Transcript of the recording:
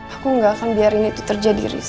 aku gak akan biarin itu terjadi risk